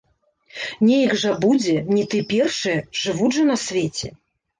Нейк жа будзе, не ты першая, жывуць жа на свеце.